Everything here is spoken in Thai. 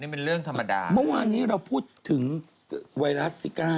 เป็นเรื่องธรรมดาเมื่อวานนี้เราพูดถึงไวรัสซิก้า